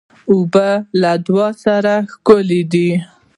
اوبه له دعا سره ښکلي وي.